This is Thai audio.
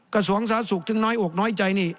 กระทรวงสาธารณสุขถึงน้อยอกน้อยใจนี่